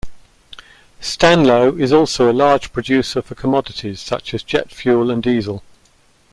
Stanlow is also a large producer for commodities such as jet fuel and diesel.